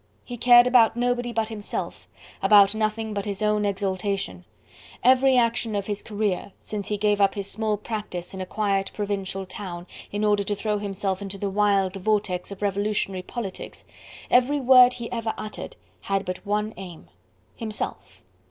He cared about nobody but himself, about nothing but his own exaltation: every action of his career, since he gave up his small practice in a quiet provincial town in order to throw himself into the wild vortex of revolutionary politics, every word he ever uttered had but one aim Himself.